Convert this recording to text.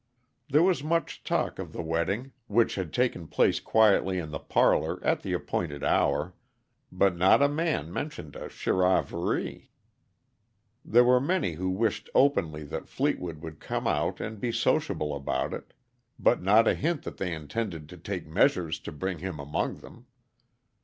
There was much talk of the wedding, which had taken place quietly in the parlor at the appointed hour, but not a man mentioned a charivari. There were many who wished openly that Fleetwood would come out and be sociable about it, but not a hint that they intended to take measures to bring him among them.